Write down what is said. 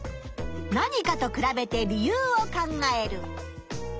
何かと比べて理由を考える。